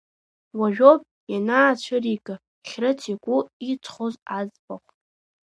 Уажәоуп ианаацәырига Хьрыц игәы иҵхоз аӡбахә.